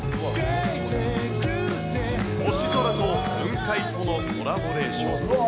星空と雲海とのコラボレーション。